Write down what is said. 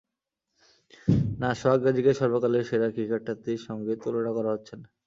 না, সোহাগ গাজীকে সর্বকালের সেরা ক্রিকেটারটির সঙ্গে তুলনা করা হচ্ছে না।